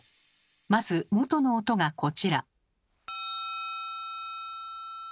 まず元の音がこちら。